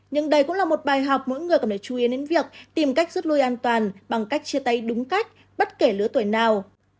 nhưng đây cũng là một bài học mỗi người cần phải chú ý đến việc tìm cách rút lui an toàn bằng cách chia tay đúng cách bất kể lứa tuổi nào